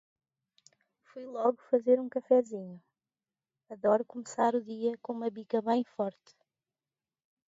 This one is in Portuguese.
Fui logo fazer um cafézinho. Adoro começar o dia com uma bica bem forte.